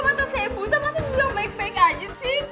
mata saya buta masih belum baik baik aja sih